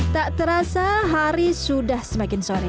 tak terasa hari sudah semakin sore